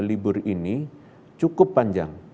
libur ini cukup panjang